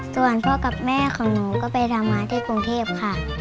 ส่วนพ่อกับแม่ของหนูก็ไปทำงานที่กรุงเทพค่ะ